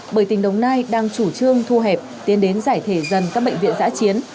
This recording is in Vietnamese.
bởi tỉnh đồng nai đang chủ trương thu hẹp tiến đến giải thể dần các bệnh viện giã chiến